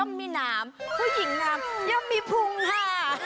ใครบอกคะเขาบอกว่ากุหลาบสวยย่อมมีน้ำ